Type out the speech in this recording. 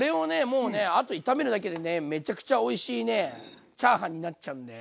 もうあと炒めるだけでめちゃくちゃおいしいチャーハンになっちゃうんで。